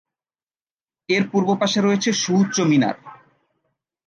এর পূর্ব পাশে রয়েছে সুউচ্চ মিনার।